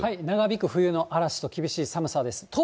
長引く冬の嵐と厳しい寒さです。